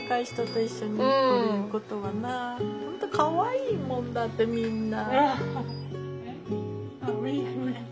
本当かわいいもんだってみんな。